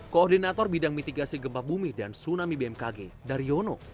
koordinator bidang mitigasi gempa bumi dan tsunami bmkg daryono